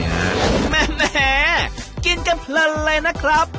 แหมกินกันเพลินเลยนะครับ